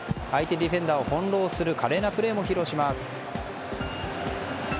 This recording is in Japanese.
ディフェンダーを翻弄する華麗なプレーも披露します。